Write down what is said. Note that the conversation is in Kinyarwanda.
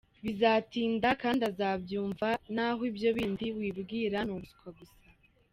Bizatinda kd azabyumva, naho ibyo bindi wibwira ni ubuswa gusa.